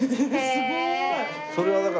すごーい！